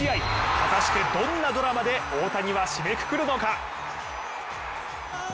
果たしてどんなドラマで大谷は締めくくるのか。